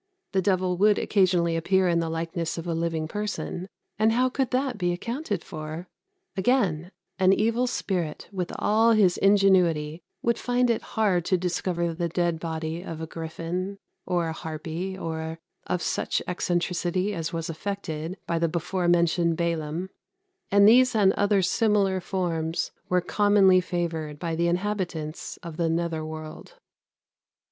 The devil would occasionally appear in the likeness of a living person; and how could that be accounted for? Again, an evil spirit, with all his ingenuity, would find it hard to discover the dead body of a griffin, or a harpy, or of such eccentricity as was affected by the before mentioned Balam; and these and other similar forms were commonly favoured by the inhabitants of the nether world.